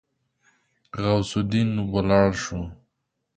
غوث الدين ولاړ شو.